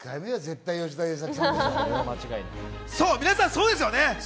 皆さん、そうですよね。